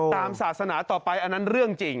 ตามศาสนาต่อไปอันนั้นเรื่องจริง